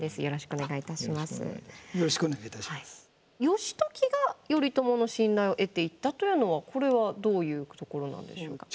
義時が頼朝の信頼を得ていったというのはこれはどういうところなんでしょうか。